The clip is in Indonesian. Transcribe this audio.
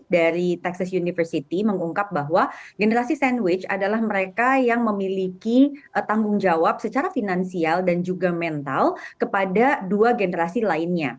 dari texas university mengungkap bahwa generasi sandwich adalah mereka yang memiliki tanggung jawab secara finansial dan juga mental kepada dua generasi lainnya